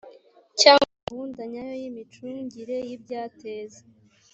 cyangwa gahunda nyayo y imicungire y ibyateza